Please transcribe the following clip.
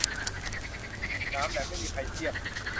หนามแหลมไม่มีใครเสี้ยม